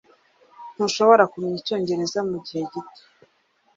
Ntushobora kumenya icyongereza mugihe gito.